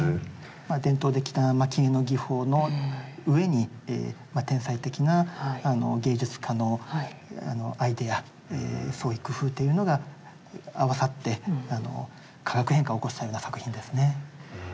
伝統的な蒔絵の技法の上に天才的な芸術家のアイデア創意工夫というのが合わさって化学変化を起こしたような作品ですね。